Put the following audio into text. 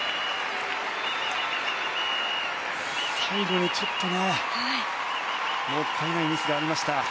最後にちょっともったいないミスがありました。